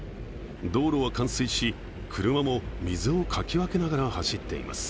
道路は冠水し、車も水をかき分けながら走っています。